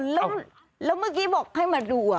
แล้วเมื่อกี้บอกให้มาดู